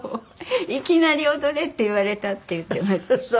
「いきなり“踊れ”って言われた」って言ってました。